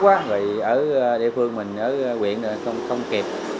ở địa phương mình ở quyện không kịp